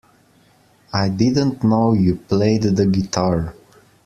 I didn't know you played the guitar!